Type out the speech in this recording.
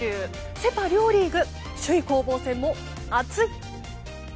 セ・パ両リーグ首位攻防戦も熱い！